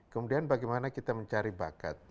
kemudian bagaimana kita mencari bakat